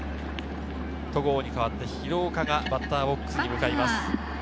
戸郷に代わって廣岡がバッターボックスに向かいます。